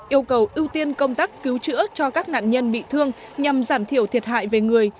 yêu cầu ưu tiên công tác cứu chữa cho các nạn nhân bị thương nhằm giảm thiểu thiệt hại về người